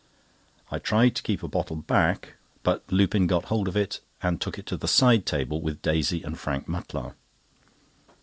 I tried to keep a bottle back, but Lupin got hold of it, and took it to the side table with Daisy and Frank Mutlar.